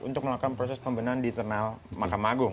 untuk melakukan proses pembenahan di internal mahkamah agung